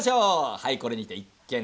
はいこれにて一件落着！